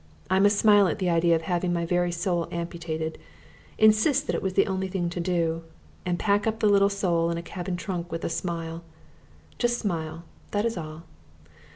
I must smile at the idea of having my very soul amputated, insist that it is the only thing to do, and pack up the little soul in a cabin trunk with a smile. Just smile, that is all!